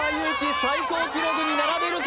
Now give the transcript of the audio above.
最高記録に並べるか。